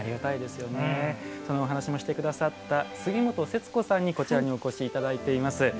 そのお話もしてくださった杉本節子さんにこちらにお越しいただいています。